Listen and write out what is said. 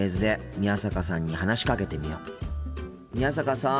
宮坂さん。